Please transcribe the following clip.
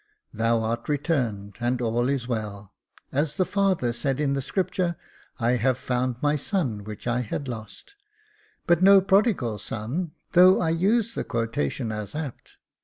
Thou art returned, and all is well ; as the father said in the Scripture, I have found my son which I had lost ; but no prodigal thou, though I use the quotation as apt.